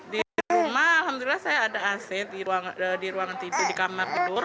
di rumah alhamdulillah saya ada ac di ruangan tidur di kamar tidur